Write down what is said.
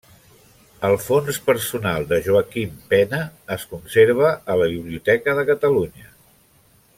El fons personal de Joaquim Pena es conserva a la Biblioteca de Catalunya.